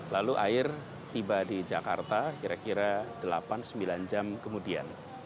lalu air tiba di jakarta kira kira delapan sembilan jam kemudian